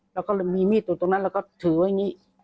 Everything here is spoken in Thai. เราก็เลยมีมีดอยู่ตรงนั้นเราก็ถือไว้อย่างนี้